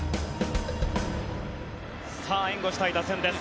さあ援護したい打線です。